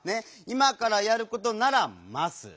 いまからやることなら「ます」ね。